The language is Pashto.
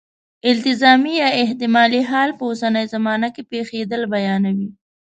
التزامي یا احتمالي حال په اوسنۍ زمانه کې پېښېدل بیانوي.